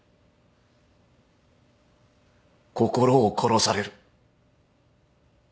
心を殺される。